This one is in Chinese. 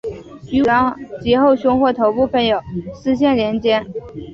于尾端及后胸或头部分别有丝线连结。